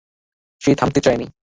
সে থামতে চায় নি।